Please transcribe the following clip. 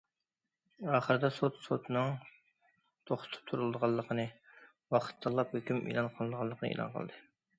ئاخىرىدا سوت سوتنىڭ توختىتىپ تۇرۇلىدىغانلىقىنى، ۋاقىت تاللاپ ھۆكۈم ئېلان قىلىنىدىغانلىقىنى ئېلان قىلدى.